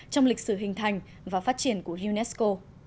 trong lịch sử hình thành và phát triển của unesco